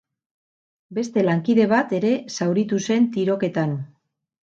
Beste lankide bat ere zauritu zen tiroketan.